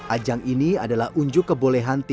ajang ini adalah unjuknya